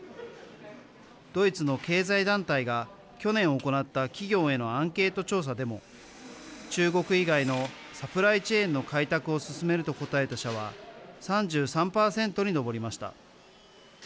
ドイツの経済団体が去年行った企業へのアンケート調査でも中国以外のサプライチェーンの開拓を進めると答えた社は３３％に上りました。